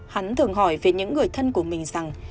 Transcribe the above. hắn thường hỏi về những người thân của mình rằng